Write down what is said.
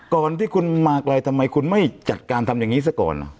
ก่อนที่คุณมาไกลทำไมคุณไม่จัดการทำอย่างนี้ซะก่อน